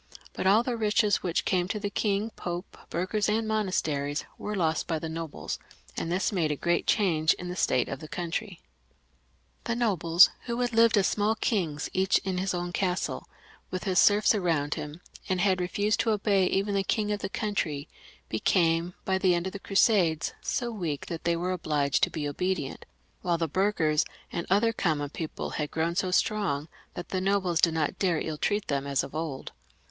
But all the riches which came to the King, Pope, burghers, and monasteries, were lost by the nobles, and this made a great change in the state of the country. The nobles, who had lived as small kings, each in his own castle with his serfs around him, and had refused to obey even the king of the country, became by the end of the Crusades so weak that they were obliged to be obedient, while the burghers and other common people had grown so strong, that the nobles did not dare to ill treat them as of old.